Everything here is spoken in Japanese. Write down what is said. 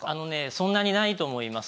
そんなにないと思います。